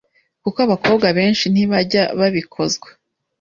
kuko abakobwa benshi ntibajya babikozwa